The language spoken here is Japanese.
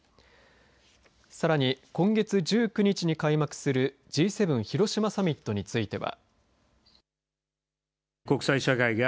さらに、今月１９日に開幕するＧ７広島サミットについては。